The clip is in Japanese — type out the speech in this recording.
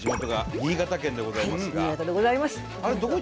新潟でございます。